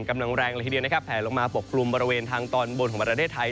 กำลังแรงละทีเดียวแผ่ลงมาปกปรุงบริเวณทางตอนบนของประเทศไทย